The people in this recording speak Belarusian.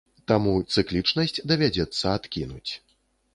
Таму цыклічнасць давядзецца адкінуць.